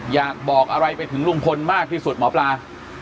อยากบอกอะไรไปถึงลุงพลมากที่สุดหมอปลา